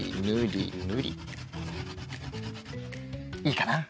いいかな？